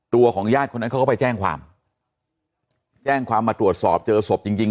ของญาติคนนั้นเขาก็ไปแจ้งความแจ้งความมาตรวจสอบเจอศพจริงจริง